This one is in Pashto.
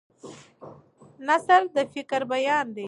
نثر د فکر بیان دی.